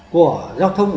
của giao thông